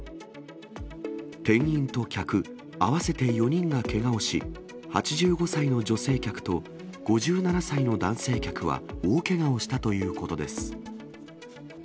店員と客、合わせて４人がけがをし、８５歳の女性客と５７歳の男性客は大けがをしたということです。